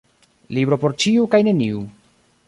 Libro por ĉiu kaj neniu.